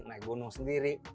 naik gunung sendiri